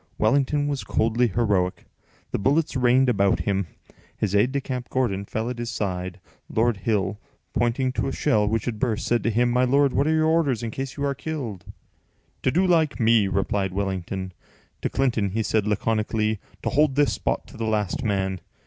Wellington was coldly heroic. The bullets rained about him. His aide de camp, Gordon, fell at his side. Lord Hill, pointing to a shell which had burst, said to him: "My lord, what are your orders in case you are killed?" "To do like me," replied Wellington. To Clinton he said laconically, "To hold this spot to the last man."